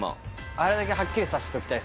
あれだけはっきりさせておきたい